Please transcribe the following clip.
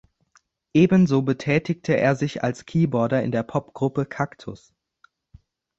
Ebenso betätigte er sich als Keyboarder in der Popgruppe "Kaktus".